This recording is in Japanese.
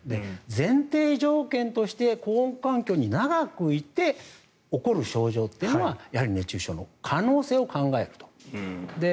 前提条件として高温環境に長くいて起こる症状っていうのはやはり熱中症の可能性を考えると。